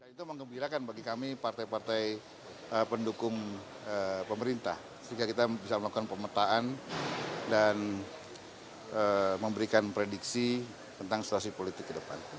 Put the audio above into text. itu mengembirakan bagi kami partai partai pendukung pemerintah sehingga kita bisa melakukan pemetaan dan memberikan prediksi tentang situasi politik ke depan